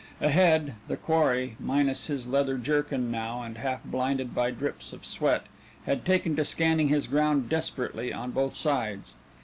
Ahead, the quarry, minus his leather jerkin now and half blinded by drips of sweat, had taken to scanning his ground desperately on both sides.